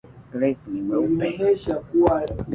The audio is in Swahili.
Grace ni mweupe.